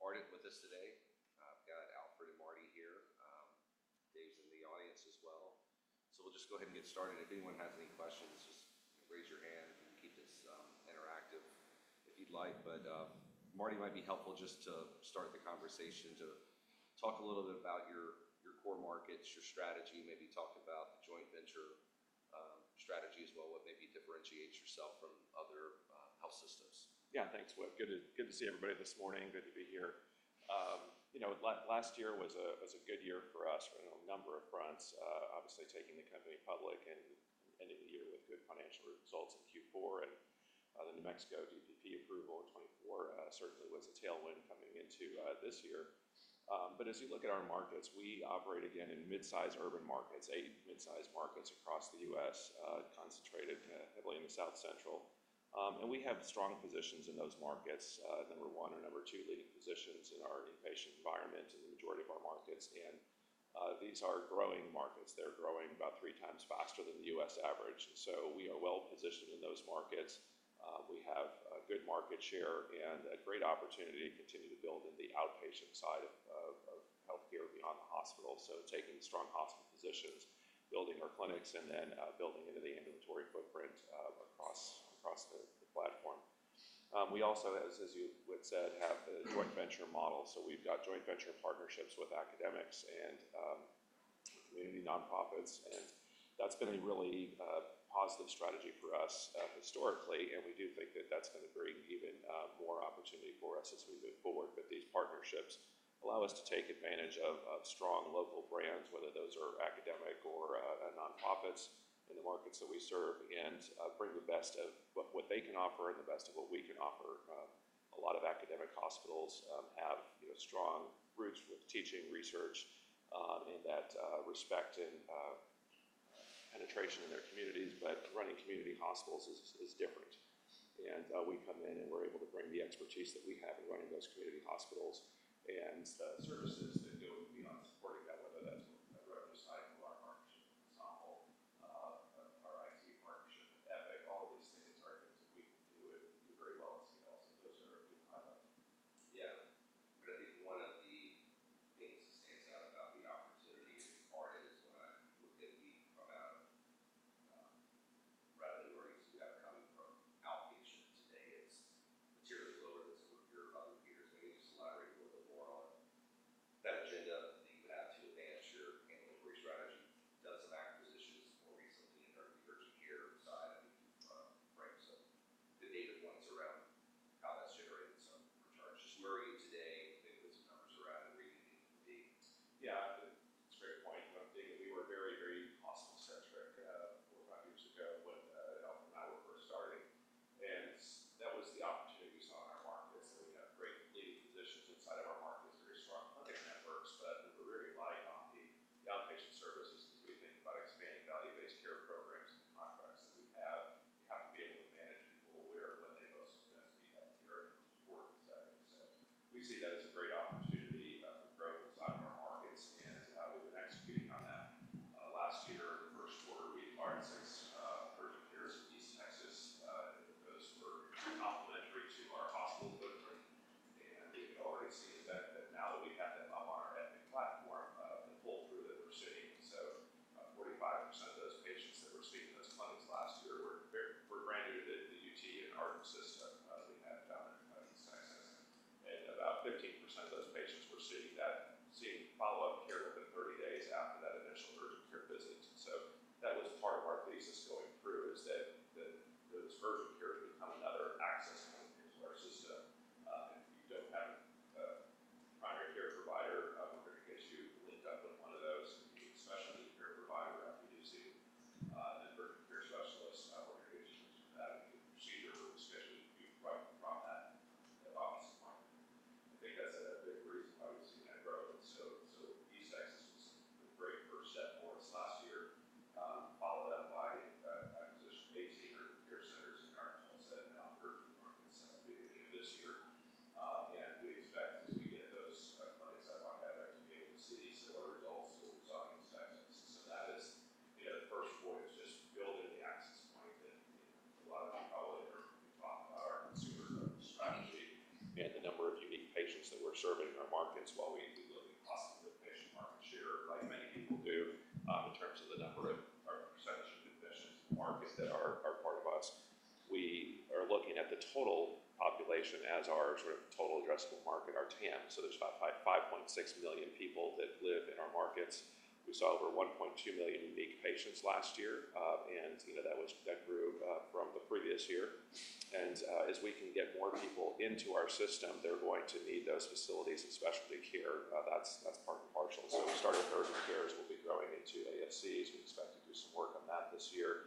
Good morning. Welcome to the 2025 Global Healthcare Conference and their partners. I'm with Leerink. I lead our efforts covering healthcare providers and managed care. It's my pleasure to have the team from Ardent with us today. I've got Alfred and Marty here. Dave's in the audience as well. We can just go ahead and get started. If anyone has any questions, just raise your hand. We can keep this interactive if you'd like. Marty, it might be helpful just to start the conversation to talk a little bit about your core markets, your strategy, maybe talk about the joint venture strategy as well, what maybe differentiates yourself from other health systems. Yeah, thanks, Whit. Good to see everybody this morning. Good to be here. Last year was a good year for us on a number of fronts, obviously taking the company public and ending the year with good financial results in Q4. The New Mexico DPP approval in 2024 certainly was a tailwind coming into this year. As you look at our markets, we operate again in mid-size urban markets, eight mid-size markets across the U.S., concentrated heavily in the South Central. We have strong positions in those markets, number one or number two leading positions in our inpatient environment in the majority of our markets. These are growing markets. They're growing about three times faster than the U.S. average. We are well positioned in those markets. We have a good market share and a great opportunity to continue to build in the outpatient side of healthcare beyond the hospital. Taking strong hospital positions, building our clinics, and then building into the ambulatory footprint across the platform. We also, as you said, have the joint venture model. We have joint venture partnerships with academics and community nonprofits. That has been a really positive strategy for us historically. We do think that is going to bring even more opportunity for us as we move forward. These partnerships allow us to take advantage of strong local brands, whether those are academic or nonprofits in the markets that we serve, and bring the best of what they can offer and the best of what we can offer. A lot of academic hospitals have strong roots with teaching, research, and that respect and penetration in their communities. Running community hospitals is different. We come in and we're able to bring the expertise that we have in running those community hospitals. The services We saw over 1.2 million unique patients last year. That grew from the previous year. As we can get more people into our system, they are going to need those facilities and specialty care. That is part and parcel. We started urgent cares. We will be growing into ASCs. We expect to do some work on that this year.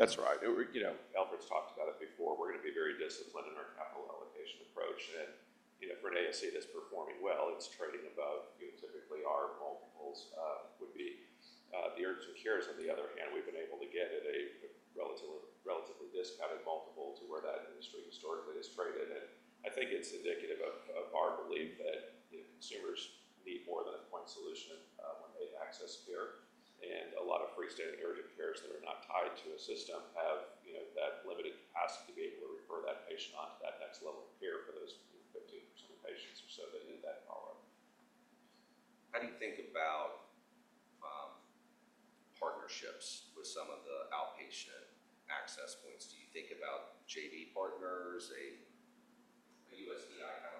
That's right. Alfred's talked about it before. We're going to be very disciplined in our capital allocation approach. For an ASC that's performing well, it's trading above typically our multiples would be. The urgent cares, on the other hand, we've been able to get at a relatively discounted multiple to where that industry historically has traded. I think it's indicative of our belief that consumers need more than a point solution when they access care. A lot of freestanding urgent cares that are not tied to a system have that limited capacity to be able to refer that patient on to that next level of care for those 15% of patients or so that need that follow-up. How do you think about partnerships with some of the outpatient access points? Do you think about JV partners, a USPI kind of like partner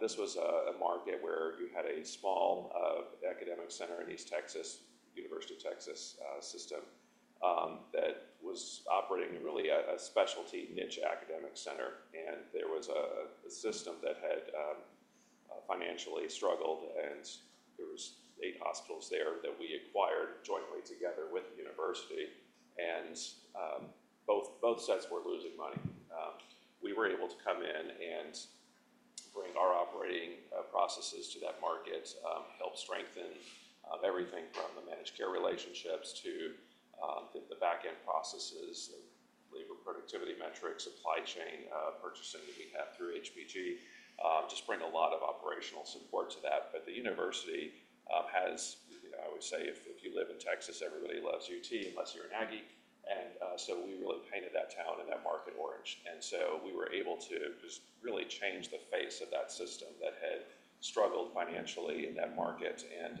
This was a market where you had a small academic center in East Texas, University of Texas system, that was operating really a specialty niche academic center. There was a system that had financially struggled. There were eight hospitals there that we acquired jointly together with the university. Both sets were losing money. We were able to come in and bring our operating processes to that market, help strengthen everything from the managed care relationships to the backend processes, labor productivity metrics, supply chain purchasing that we have through HPG, just bring a lot of operational support to that. The university has, I would say, if you live in Texas, everybody loves UT unless you're an Aggie. We really painted that town and that market orange. We were able to just really change the face of that system that had struggled financially in that market and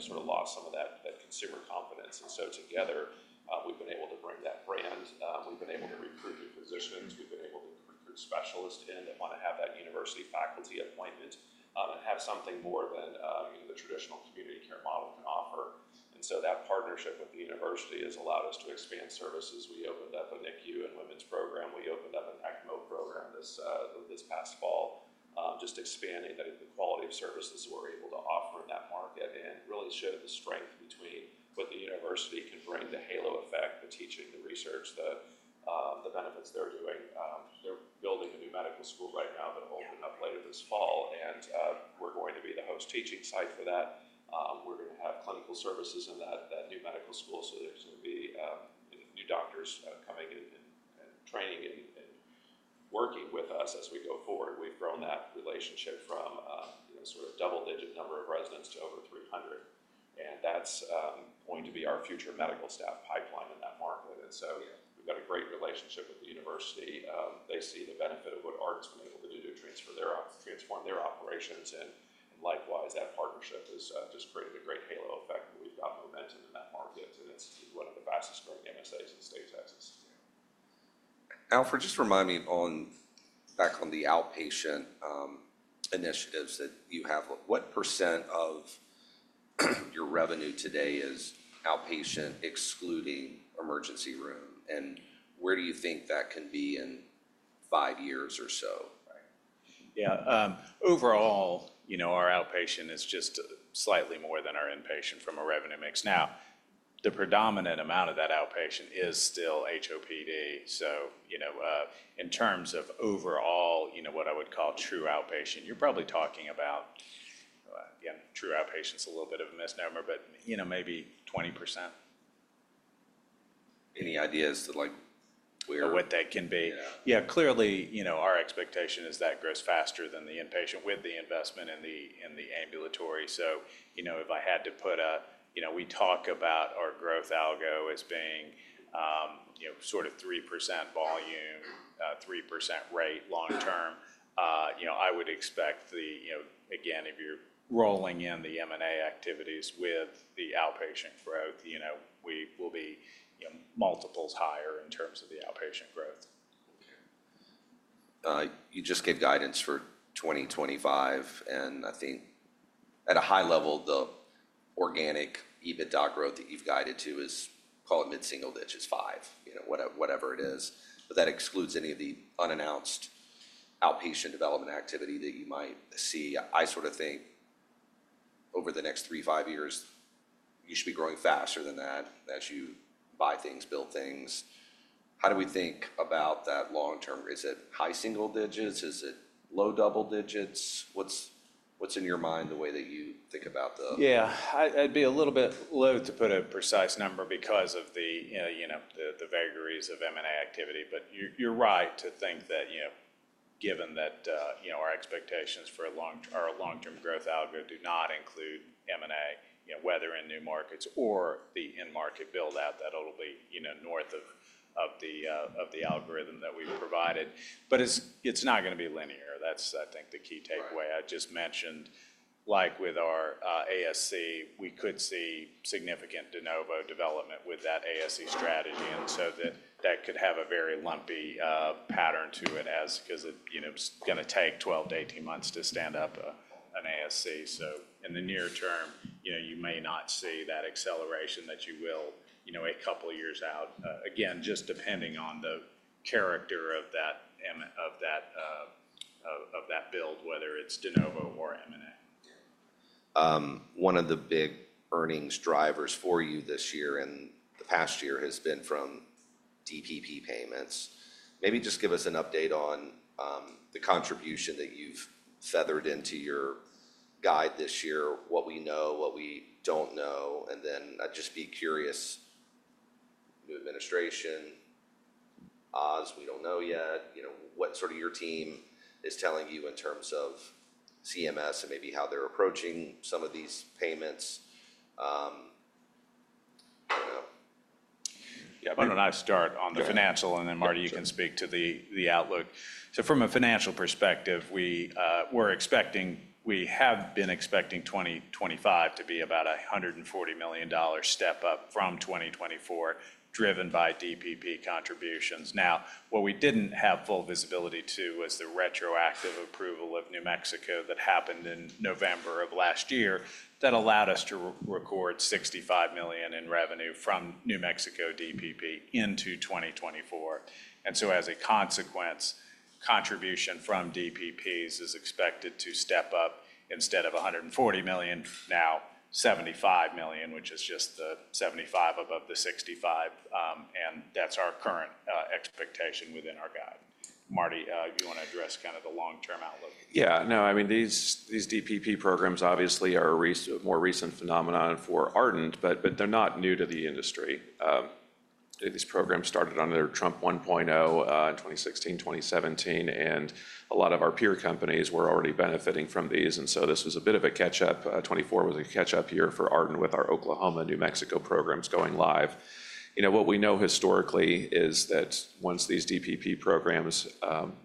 sort of lost some of that consumer confidence. Together, we've been able to bring that brand. We've been able to recruit new positions. We've been able to recruit specialists in that want to have that university faculty appointment and have something more than the traditional community care model can offer. That partnership with the university has allowed us to expand services. We opened up a NICU and women's program. We opened up an ECMO program this past fall, just expanding the quality of services we're able to offer in that market and really showed the strength between what the university can bring, the halo effect, the teaching, the research, the benefits they're doing. They're building a new medical school right now that will open up later this fall. We are going to be the host teaching site for that. We are going to have clinical services in that new medical school. There are going to be new doctors coming and training and working with us as we go forward. We've grown that relationship from sort of double-digit number of residents to over 300. That is going to be our future medical staff pipeline in that market. We have a great relationship with the university. They see the benefit of what Ardent's been able to do to transform their operations. Likewise, that partnership has just created a great halo effect. We've got momentum in that market. It's one of the fastest-growing MSAs in the State of Texas. Alfred, just remind me back on the outpatient initiatives that you have. What percent of your revenue today is outpatient excluding emergency room? Where do you think that can be in five years or so? Right. Yeah. Overall, our outpatient is just slightly more than our inpatient from a revenue mix. Now, the predominant amount of that outpatient is still HOPD. In terms of overall, what I would call true outpatient, you're probably talking about, again, true outpatient's a little bit of a misnomer, but maybe 20%. Any ideas to where or what that can be? Yeah. Clearly. our expectation is that grows faster than the inpatient with the investment in the ambulatory. If I had to put a we talk about our growth algo as being sort of 3% volume, 3% rate long term. I would expect the, again, if you're rolling in the M&A activities with the outpatient growth, we will be multiples higher in terms of the outpatient growth. Okay. You just gave guidance for 2025. I think at a high level, the organic EBITDA growth that you've guided to is, call it mid-single digits, five, whatever it is. That excludes any of the unannounced outpatient development activity that you might see. I sort of think over the next three, five years, you should be growing faster than that as you buy things, build things. How do we think about that long term? Is it high single digits? Is it low double digits? What's in your mind the way that you think about the. Yeah. I'd be a little bit low to put a precise number because of the vagaries of M&A activity. You're right to think that given that our expectations for our long-term growth algo do not include M&A, whether in new markets or the in-market build-out, that it'll be north of the algorithm that we've provided. It's not going to be linear. That's, I think, the key takeaway. I just mentioned, like with our ASC, we could see significant de novo development with that ASC strategy. That could have a very lumpy pattern to it because it's going to take 12-18 months to stand up an ASC. In the near term, you may not see that acceleration that you will a couple of years out, again, just depending on the character of that build, whether it's de novo or M&A. One of the big earnings drivers for you this year and the past year has been from DSH payments. Maybe just give us an update on the contribution that you've feathered into your guide this year, what we know, what we don't know. I'd just be curious, new administration, Oz, we don't know yet. What sort of your team is telling you in terms of CMS and maybe how they're approaching some of these payments? I don't know. Yeah, why don't I start on the financial? Then, Marty, you can speak to the outlook. From a financial perspective, we're expecting, we have been expecting, 2025 to be about a $140 million step up from 2024, driven by DPP contributions. What we didn't have full visibility to was the retroactive approval of New Mexico that happened in November of last year that allowed us to record $65 million in revenue from New Mexico DPP into 2024. As a consequence, contribution from DPPs is expected to step up instead of $140 million, now $75 million, which is just the $75 million above the $65 million. That's our current expectation within our guide. Marty, you want to address kind of the long-term outlook? Yeah. No, I mean, these DPP programs obviously are a more recent phenomenon for Ardent, but they're not new to the industry. These programs started under Trump 1.0 in 2016, 2017. A lot of our peer companies were already benefiting from these. This was a bit of a catch-up. 2024 was a catch-up year for Ardent with our Oklahoma, New Mexico programs going live. What we know historically is that once these DPP programs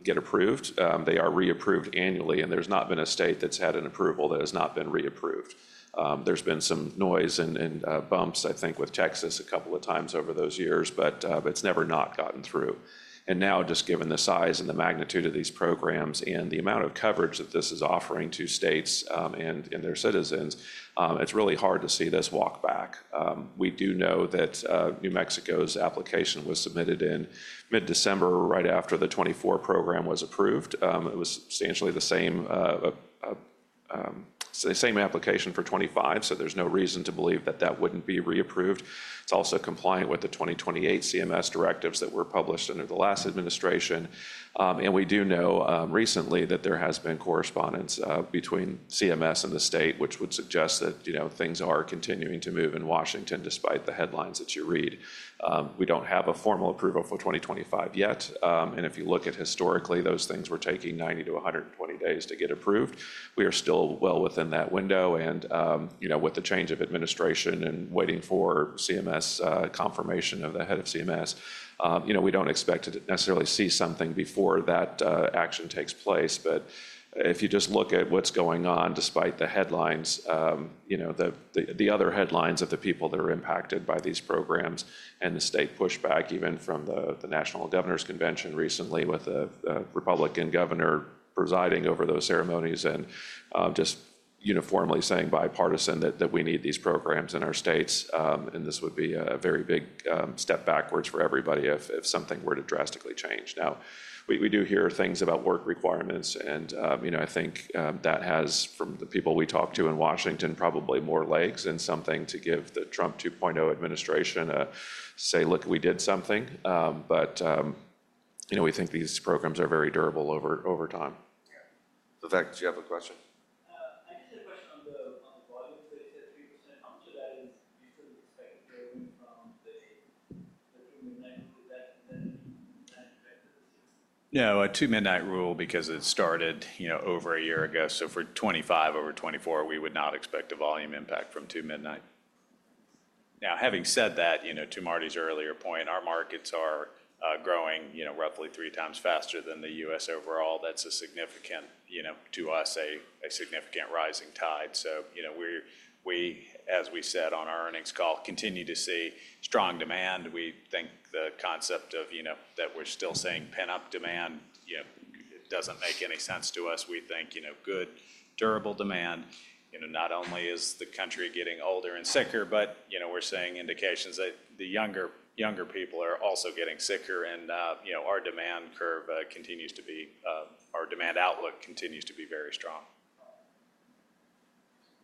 get approved, they are reapproved annually. There has not been a state that has had an approval that has not been reapproved. There has been some noise and bumps, I think, with Texas a couple of times over those years, but it has never not gotten through. Now, just given the size and the magnitude of these programs and the amount of coverage that this is offering to states and their citizens, it is really hard to see this walk back. We do know that New Mexico's application was submitted in mid-December right after the 2024 program was approved. It was substantially the same application for 2025. There is no reason to believe that that would not be reapproved. It is also compliant with the 2028 CMS directives that were published under the last administration. We do know recently that there has been correspondence between CMS and the state, which would suggest that things are continuing to move in Washington despite the headlines that you read. We do not have a formal approval for 2025 yet. If you look at historically, those things were taking 90-120 days to get approved. We are still well within that window. With the change of administration and waiting for CMS confirmation of the head of CMS, we do not expect to necessarily see something before that action takes place. If you just look at what's going on despite the headlines, the other headlines of the people that are impacted by these programs and the state pushback, even from the National Governor's Convention recently with a Republican governor presiding over those ceremonies and just uniformly saying bipartisan that we need these programs in our states. This would be a very big step backwards for everybody if something were to drastically change. Now, we do hear things about work requirements. I think that has, from the people we talk to in Washington, probably more legs and something to give the Trump 2.0 administration to say, "Look, we did something." We think these programs are very durable over time. Yeah. The fact, did you have a question? I just had a question on the volume that you said 3%. How much of that is you said you expected to go away from the 2:00 midnight? Is that an effective decision? No, a 2:00 midnight rule because it started over a year ago. For 2025 over 2024, we would not expect a volume impact from 2:00 midnight. Having said that, to Marty's earlier point, our markets are growing roughly three times faster than the U.S. overall. That is, to us, a significant rising tide. As we said on our earnings call, we continue to see strong demand. We think the concept of that we're still saying pent-up demand does not make any sense to us. We think good, durable demand. Not only is the country getting older and sicker, but we are seeing indications that the younger people are also getting sicker. Our demand curve continues to be, our demand outlook continues to be, very strong.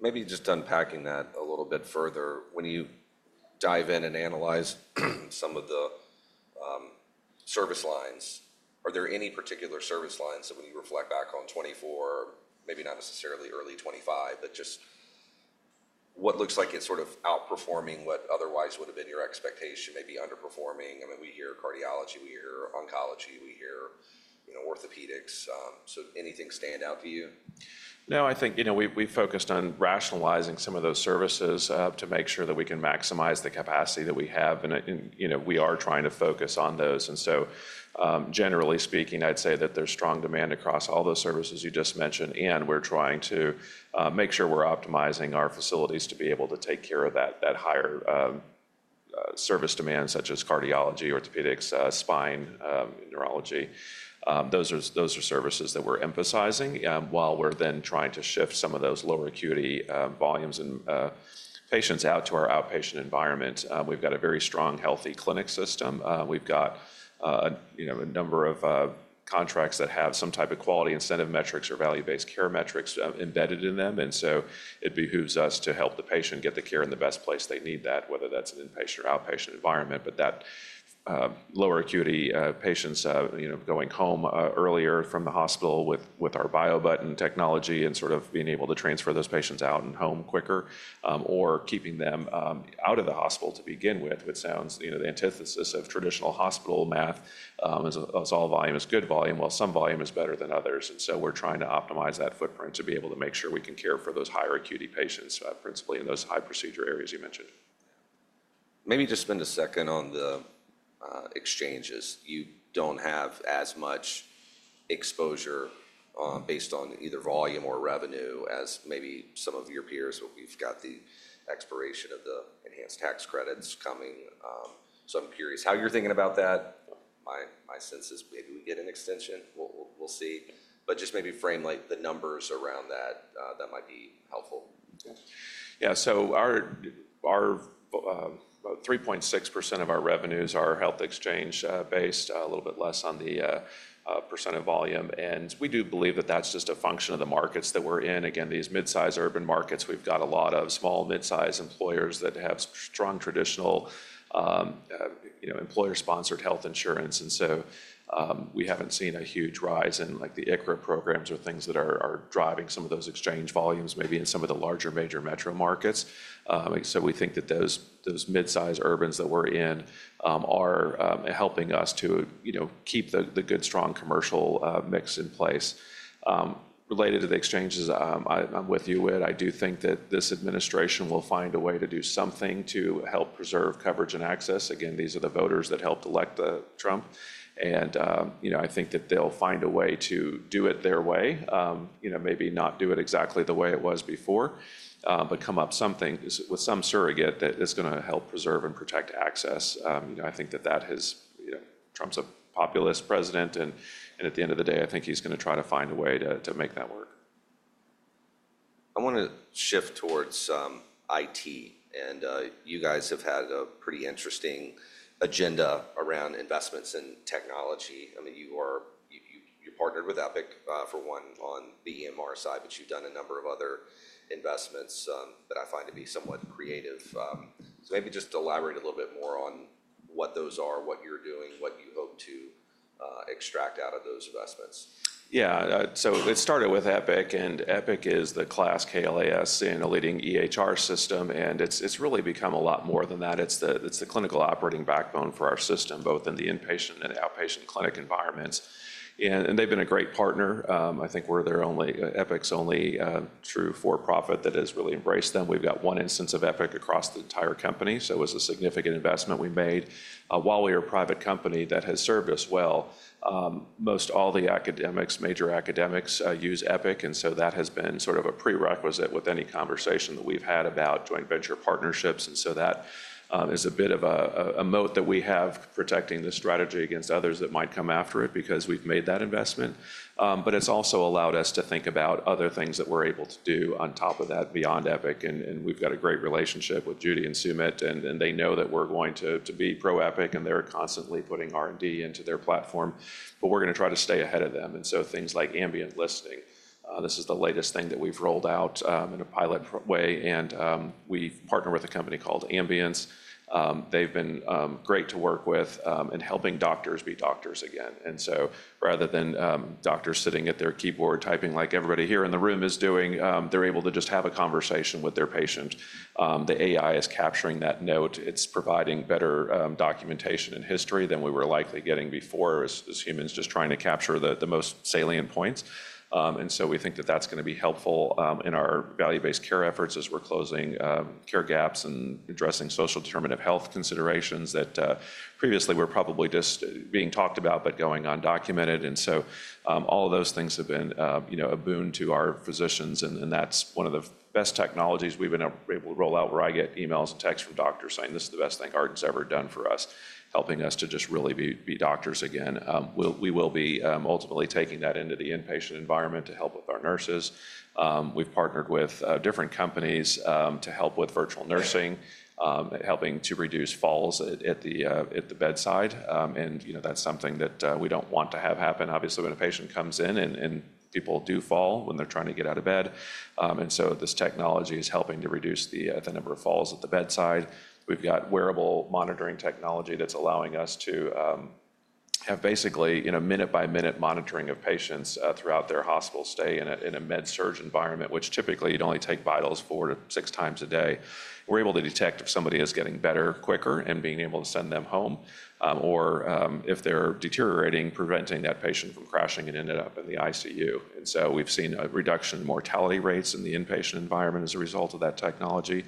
Maybe just unpacking that a little bit further. When you dive in and analyze some of the service lines, are there any particular service lines that when you reflect back on 2024, maybe not necessarily early 2025, but just what looks like it's sort of outperforming what otherwise would have been your expectation, maybe underperforming? I mean, we hear cardiology, we hear oncology, we hear orthopedics. So anything stand out to you? No, I think we've focused on rationalizing some of those services to make sure that we can maximize the capacity that we have. We are trying to focus on those. Generally speaking, I'd say that there's strong demand across all those services you just mentioned. We're trying to make sure we're optimizing our facilities to be able to take care of that higher service demand, such as cardiology, orthopedics, spine, neurology. Those are services that we're emphasizing. While we're then trying to shift some of those lower acuity volumes and patients out to our outpatient environment, we've got a very strong, healthy clinic system. We've got a number of contracts that have some type of quality incentive metrics or value-based care metrics embedded in them. It behooves us to help the patient get the care in the best place they need that, whether that's an inpatient or outpatient environment. That lower acuity patients going home earlier from the hospital with our BioButton technology and sort of being able to transfer those patients out and home quicker or keeping them out of the hospital to begin with, which sounds the antithesis of traditional hospital math as all volume is good volume, while some volume is better than others. We are trying to optimize that footprint to be able to make sure we can care for those higher acuity patients, principally in those high procedure areas you mentioned. Maybe just spend a second on the exchanges. You do not have as much exposure based on either volume or revenue as maybe some of your peers where we have the expiration of the enhanced tax credits coming. I am curious how you are thinking about that. My sense is maybe we get an extension. We will see. Just maybe frame the numbers around that. That might be helpful. Yeah. Our 3.6% of our revenues are health exchange-based, a little bit less on the percent of volume. We do believe that that's just a function of the markets that we're in. Again, these mid-size urban markets, we've got a lot of small, mid-size employers that have strong traditional employer-sponsored health insurance. We haven't seen a huge rise in the ICHRA programs or things that are driving some of those exchange volumes, maybe in some of the larger, major metro markets. We think that those mid-size urbans that we're in are helping us to keep the good, strong commercial mix in place. Related to the exchanges, I'm with you, Id. I do think that this administration will find a way to do something to help preserve coverage and access. Again, these are the voters that helped elect Trump. I think that they'll find a way to do it their way, maybe not do it exactly the way it was before, but come up with some surrogate that is going to help preserve and protect access. I think that that has Trump as a populist president. At the end of the day, I think he's going to try to find a way to make that work. I want to shift towards IT. And you guys have had a pretty interesting agenda around investments in technology. I mean, you partnered with Epic for one on the EMR side, but you've done a number of other investments that I find to be somewhat creative. So maybe just elaborate a little bit more on what those are, what you're doing, what you hope to extract out of those investments. Yeah. It started with Epic. Epic is the KLAS, a leading EHR system. It has really become a lot more than that. It is the clinical operating backbone for our system, both in the inpatient and outpatient clinic environments. They have been a great partner. I think we are Epic's only true for-profit that has really embraced them. We have one instance of Epic across the entire company. It was a significant investment we made. While we are a private company, that has served us well. Most all the major academics use Epic. That has been sort of a prerequisite with any conversation that we have had about joint venture partnerships. That is a bit of a moat that we have protecting the strategy against others that might come after it because we have made that investment. It has also allowed us to think about other things that we're able to do on top of that beyond Epic. We've got a great relationship with Judy and Sumit. They know that we're going to be pro-Epic. They're constantly putting R&D into their platform. We're going to try to stay ahead of them. Things like ambient listening, this is the latest thing that we've rolled out in a pilot way. We partner with a company called Ambience. They've been great to work with in helping doctors be doctors again. Rather than doctors sitting at their keyboard typing like everybody here in the room is doing, they're able to just have a conversation with their patient. The AI is capturing that note. It's providing better documentation and history than we were likely getting before as humans just trying to capture the most salient points. We think that that's going to be helpful in our value-based care efforts as we're closing care gaps and addressing social determinant of health considerations that previously were probably just being talked about but going undocumented. All of those things have been a boon to our physicians. That's one of the best technologies we've been able to roll out where I get emails and texts from doctors saying, "This is the best thing Ardent's ever done for us," helping us to just really be doctors again. We will be ultimately taking that into the inpatient environment to help with our nurses. We've partnered with different companies to help with virtual nursing, helping to reduce falls at the bedside. That is something that we do not want to have happen. Obviously, when a patient comes in and people do fall when they are trying to get out of bed. This technology is helping to reduce the number of falls at the bedside. We have got wearable monitoring technology that is allowing us to have basically minute-by-minute monitoring of patients throughout their hospital stay in a med-surg environment, which typically you would only take vitals four to six times a day. We are able to detect if somebody is getting better quicker and being able to send them home or if they are deteriorating, preventing that patient from crashing and ending up in the ICU. We have seen a reduction in mortality rates in the inpatient environment as a result of that technology.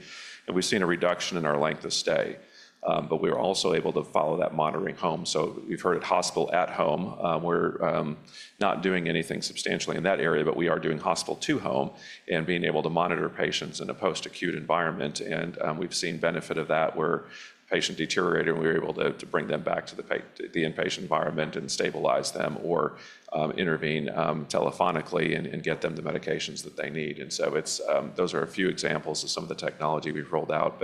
We have seen a reduction in our length of stay. We were also able to follow that monitoring home. We've heard of hospital at home. We're not doing anything substantially in that area, but we are doing hospital to home and being able to monitor patients in a post-acute environment. We've seen benefit of that where patient deteriorated, and we were able to bring them back to the inpatient environment and stabilize them or intervene telephonically and get them the medications that they need. Those are a few examples of some of the technology we've rolled out.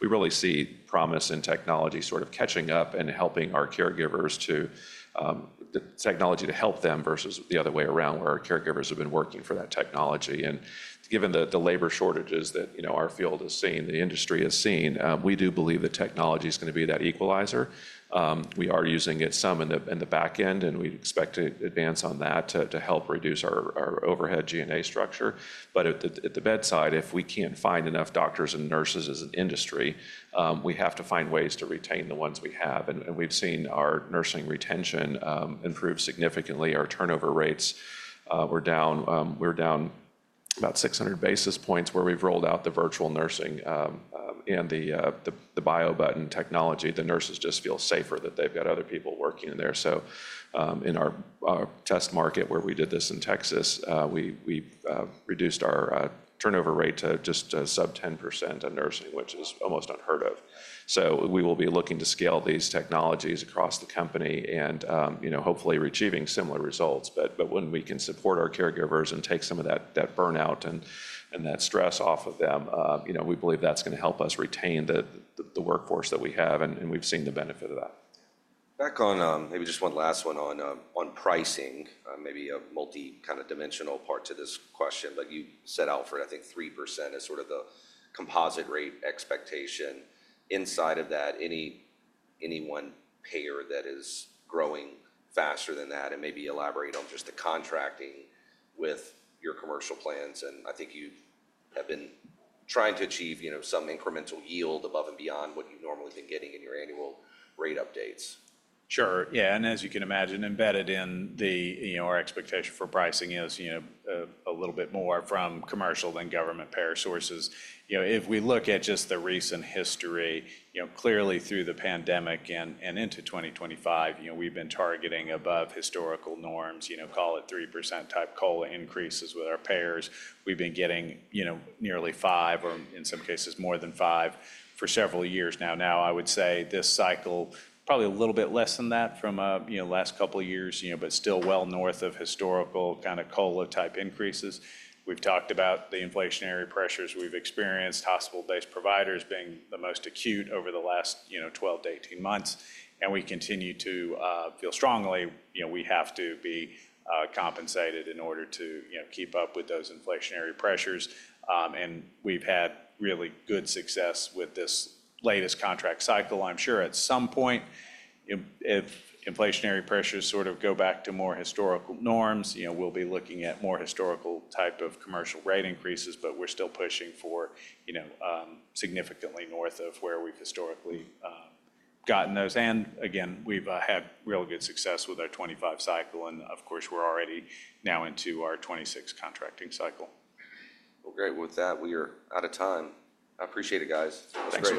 We really see promise in technology sort of catching up and helping our caregivers, the technology to help them versus the other way around where our caregivers have been working for that technology. Given the labor shortages that our field has seen, the industry has seen, we do believe that technology is going to be that equalizer. We are using it some in the back end, and we expect to advance on that to help reduce our overhead G&A structure. At the bedside, if we can't find enough doctors and nurses as an industry, we have to find ways to retain the ones we have. We've seen our nursing retention improve significantly. Our turnover rates were down about 600 basis points where we've rolled out the virtual nursing and the BioButton technology. The nurses just feel safer that they've got other people working in there. In our test market where we did this in Texas, we reduced our turnover rate to just sub 10% in nursing, which is almost unheard of. We will be looking to scale these technologies across the company and hopefully achieving similar results. When we can support our caregivers and take some of that burnout and that stress off of them, we believe that's going to help us retain the workforce that we have. We've seen the benefit of that. Back on maybe just one last one on pricing, maybe a multi-dimensional part to this question. You set out for, I think, 3% as sort of the composite rate expectation. Inside of that, any one payer that is growing faster than that? Maybe elaborate on just the contracting with your commercial plans. I think you have been trying to achieve some incremental yield above and beyond what you've normally been getting in your annual rate updates. Sure. Yeah. As you can imagine, embedded in our expectation for pricing is a little bit more from commercial than government payer sources. If we look at just the recent history, clearly through the pandemic and into 2025, we've been targeting above historical norms, call it 3% type COLA increases with our payers. We've been getting nearly 5% or in some cases more than 5% for several years now. I would say this cycle, probably a little bit less than that from the last couple of years, but still well north of historical kind of COLA type increases. We've talked about the inflationary pressures we've experienced, hospital-based providers being the most acute over the last 12-18 months. We continue to feel strongly we have to be compensated in order to keep up with those inflationary pressures. We have had really good success with this latest contract cycle. I am sure at some point, if inflationary pressures sort of go back to more historical norms, we will be looking at more historical type of commercial rate increases. We are still pushing for significantly north of where we have historically gotten those. We have had real good success with our 2025 cycle. We are already now into our 2026 contracting cycle. Great. With that, we are out of time. I appreciate it, guys. It's been great.